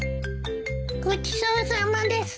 ごちそうさまです。